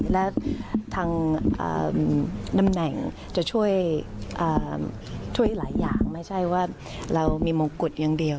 และทางตำแหน่งจะช่วยหลายอย่างไม่ใช่ว่าเรามีมงกุฎอย่างเดียว